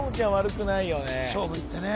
勝負いってね